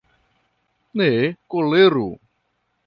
Ne koleru!